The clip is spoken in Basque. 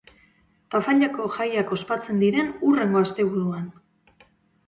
Tafallako jaiak ospatzen diren hurrengo asteburuan.